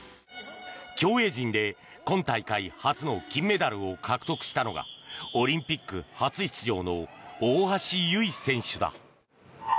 競泳陣で今大会初の金メダルを獲得したのがオリンピック初出場の大橋悠依選手だ。